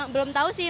belum tau sih